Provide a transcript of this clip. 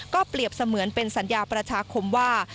เปรียบเสมือนเป็นสัญญาประชาคมว่า